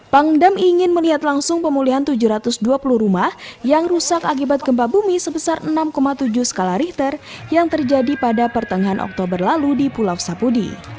pangdam ingin melihat langsung pemulihan tujuh ratus dua puluh rumah yang rusak akibat gempa bumi sebesar enam tujuh skala richter yang terjadi pada pertengahan oktober lalu di pulau sapudi